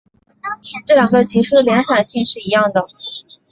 这两个级数的敛散性是一样的。